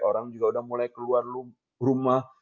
orang juga udah mulai keluar rumah